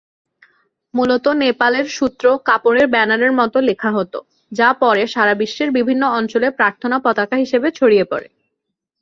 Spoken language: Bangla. মূলত নেপালের সূত্র কাপড়ের ব্যানারের মতো লেখা হতো, যা পরে সারা বিশ্বের বিভিন্ন অঞ্চলে প্রার্থনা পতাকা হিসেবে ছড়িয়ে পড়ে।